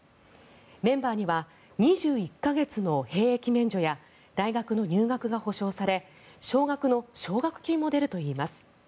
メンバーには２１か月の兵役免除や大学の入学が保証され少額の奨学金も出るといいます。